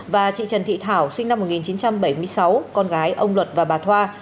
và chị trần thị thảo sinh năm một nghìn chín trăm bảy mươi sáu con gái ông luật và bà thoa